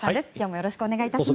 よろしくお願いします。